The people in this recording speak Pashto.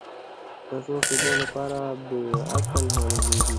د څو شیبو لپاره بې عقل معلومېږي.